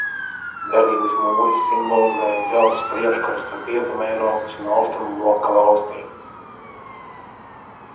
Berlīnes mūris simbolizēja Dzelzs priekškaru starp Rietumeiropas un Austrumu bloka valstīm.